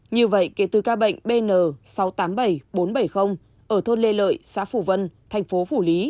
như vậy kể từ ca bệnh bn sáu trăm tám mươi bảy bốn trăm bảy mươi ở thôn lê lợi xã phủ vân thành phố phủ lý